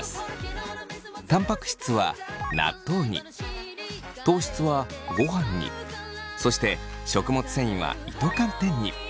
たんぱく質は納豆に糖質はごはんにそして食物繊維は糸寒天に。